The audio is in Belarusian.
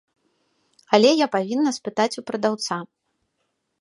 Але я павінна спытаць у прадаўца.